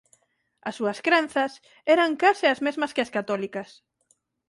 As súas crenzas eran case as mesmas que as católicas.